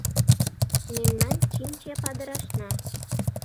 Мемнан чинче падырашна